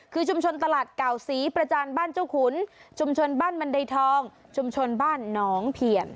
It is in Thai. คือชุมชนตลาดเก่าศรีประจานบ้านเจ้าขุนชุมชนบ้านบันไดทองชุมชนบ้านหนองเพียร